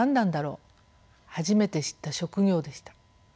初めて知った職業でした。